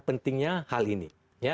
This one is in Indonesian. pentingnya hal ini